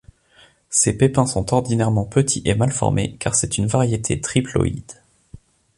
Ses pépins sont ordinairement petits et mal formés car c'est une variété triploïde.